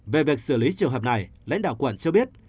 về việc xử lý trường hợp này lãnh đạo quận cho biết